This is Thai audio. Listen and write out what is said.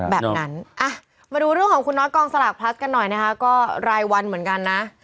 แบบนั้นมาดูเรื่องของคุณน้อยกองสลากพลัสกันหน่อยนะคะก็รายวันเหมือนกันนะ